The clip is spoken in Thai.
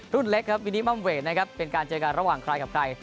เล็กครับวินิมัมเวทนะครับเป็นการเจอกันระหว่างใครกับใคร